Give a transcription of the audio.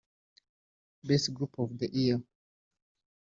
-Best Group of the year